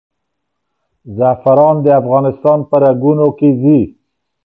زعفران د افغانستان په رګونو کې ځي.